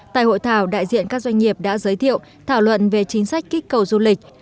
tại hội thảo đại diện các doanh nghiệp đã giới thiệu thảo luận về chính sách kích cầu du lịch